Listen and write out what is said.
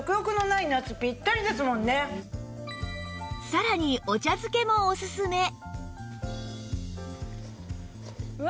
さらにお茶漬けもおすすめん！